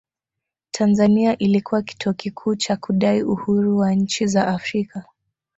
Tanzania ilikuwa kituo kikuu cha kudai uhuru wa nchi za Afrika